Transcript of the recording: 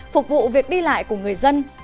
phục vụ việc đi lại của người dân